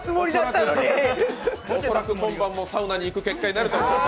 恐らく今晩もサウナに行く結果になります。